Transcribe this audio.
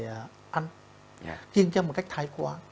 để ăn kiên trăm một cách thai quá